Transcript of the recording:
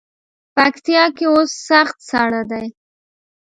پکتیا کې اوس سخت ساړه دی.